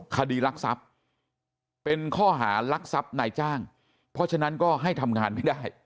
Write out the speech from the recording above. คดีรักทรัพย์เป็นข้อหารักทรัพย์นายจ้างเพราะฉะนั้นก็ให้ทำงานไม่ได้